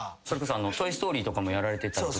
それこそ『トイ・ストーリー』とかもやられてた。